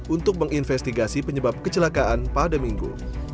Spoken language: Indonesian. untuk menginvestigasi penyebab kecelakaan pada minggu